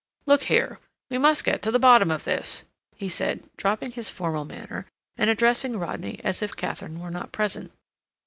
"Look here, we must get to the bottom of this," he said, dropping his formal manner and addressing Rodney as if Katharine were not present.